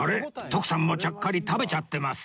徳さんもちゃっかり食べちゃってます